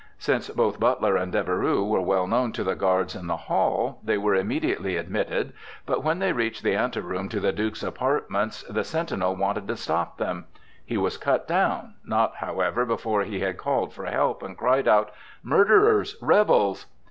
Since both Butler and Deveroux were well known to the guards in the hall, they were immediately admitted, but when they reached the anteroom to the Duke's apartments, the sentinel wanted to stop them. He was cut down, not, however, before he had called for help, and cried out: "Murderers! Rebels!"